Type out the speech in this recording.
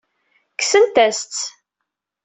Kksen-as-tt.